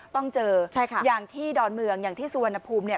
ต้องเจอใช่ค่ะอย่างที่ดอนเมืองอย่างที่สุวรรณภูมิเนี่ย